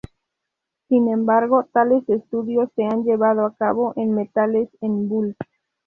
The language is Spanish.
Sin embargo tales estudios se han llevado a cabo en metales en "bulk".